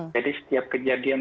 jadi setiap kejadian